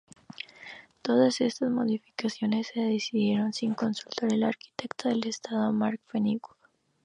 Todas estas modificaciones se decidieron sin consultar al arquitecto del estadio, Mark Fenwick.